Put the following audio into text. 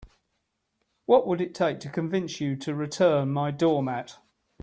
What would it take to convince you to return my doormat?